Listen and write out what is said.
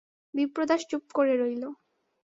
বিপ্রদাস চুপ করে রইল।